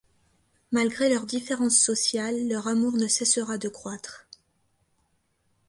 Malgré leurs différences sociales, leur amour ne cessera de croître.